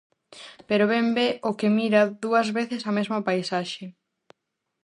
Pero ben ve o que mira dúas veces a mesma paisaxe.